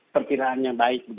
kepiraan yang baik